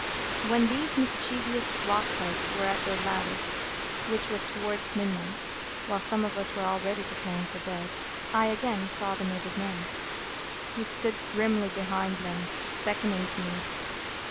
When these mischievous blockheads were at their loudest, which was towards midnight, while some of us were already preparing for bed, I again saw the murdered man. He stood grimly behind them, beckoning to me.